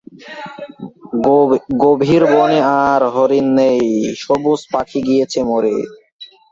প্রথমে single play করে জড়তা কাটান তাহলে একসময়ে তালে বাজাতে পারবেন।